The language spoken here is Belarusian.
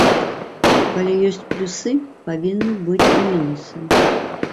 Калі ёсць плюсы, павінны быць і мінусы.